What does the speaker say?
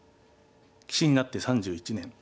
棋士になって３１年。